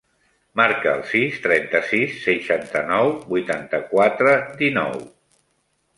Marca el sis, trenta-sis, seixanta-nou, vuitanta-quatre, dinou.